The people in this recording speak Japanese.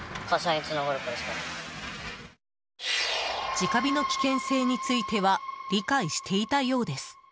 直火の危険性については理解していたようです。